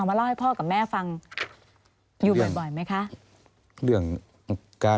เอามาเล่าให้พ่อกับแม่ฟังอยู่บ่อยไหมคะ